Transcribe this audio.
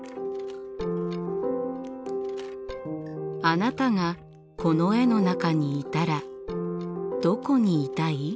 あなたがこの絵の中にいたらどこにいたい？